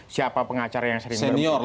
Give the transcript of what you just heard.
siapa pengacara yang sering berburu